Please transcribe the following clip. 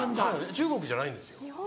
中国じゃないんですよ。